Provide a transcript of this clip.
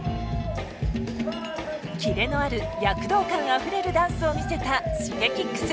キレのある躍動感あふれるダンスを見せたＳｈｉｇｅｋｉｘ。